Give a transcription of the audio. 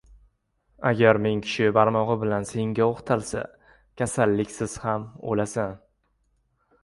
• Agar ming kishi barmog‘i bilan senga o‘qtalsa, kasalliksiz ham o‘lasan.